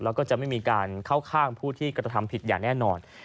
แล้วก็จะไม่มีการเข้าข้างผู้ที่กระทำผิดอย่างแน่นอน